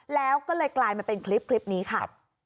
แล้วก็เลยกลายมาเป็นคลิปนี้ค่ะ